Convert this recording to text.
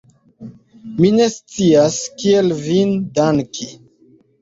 Mi ne scias, kiel vin danki!